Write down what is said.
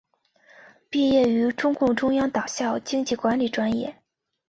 毕业于中共中央党校经济管理专业。